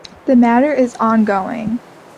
The matter is ongoing.